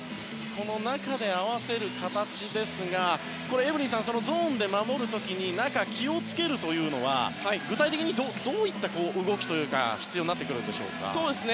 中で合わせる形ですがエブリンさん、ゾーンで守る時に中、気を付けるというのは具体的にどういう動きが必要になってくるんでしょうか？